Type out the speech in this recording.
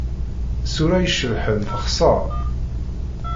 Ṣṣura i icebḥen texṣer.